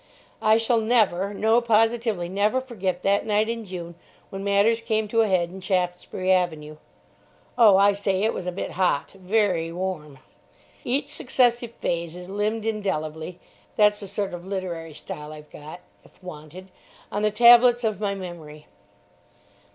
I shall never—no, positively never forget that night in June when matters came to a head in Shaftesbury Avenue. Oh, I say, it was a bit hot—very warm. Each successive phase is limned indelibly—that's the sort of literary style I've got, if wanted—on the tablets of my memory.